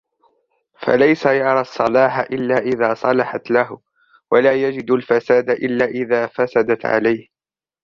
فَلَيْسَ يَرَى الصَّلَاحَ إلَّا إذَا صَلَحَتْ لَهُ وَلَا يَجِدُ الْفَسَادَ إلَّا إذَا فَسَدَتْ عَلَيْهِ